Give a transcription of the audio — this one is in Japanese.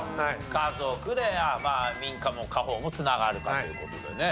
家族で民家も家宝も繋がるかという事でね。